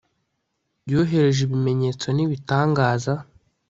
yohereje ibimenyetso n'ibitangaza